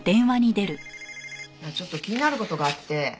ちょっと気になる事があって。